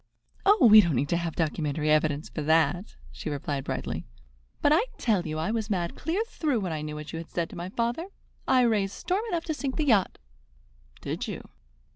"Oh, we don't need to have documentary evidence for that," she replied brightly; "but I tell you I was mad clear through when I knew what you had said to my father. I raised storm enough to sink the yacht." "Did you?"